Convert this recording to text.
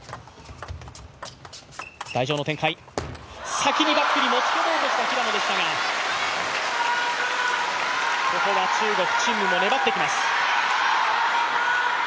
先にバックに持ち込もうとした平野でしたがここは中国・陳夢も粘ってきます。